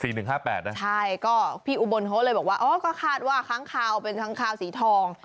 ใช่ก็พี่อุบลเขาเลยบอกว่าอ๋อก็คาดว่าค้างคาวเป็นค้างคาวสีทอง